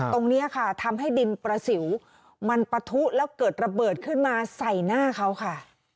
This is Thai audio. ตรงนี้ค่ะทำให้ดินประสิวมันปะทุแล้วเกิดระเบิดขึ้นมาใส่หน้าเขาค่ะ